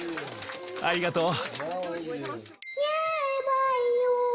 ありがとう。